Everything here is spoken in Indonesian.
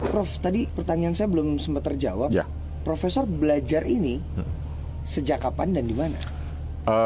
prof tadi pertanyaan saya belum sempat terjawab profesor belajar ini sejak kapan dan dimana